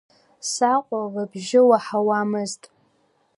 Саҟәа лбжьы уаҳауамызт.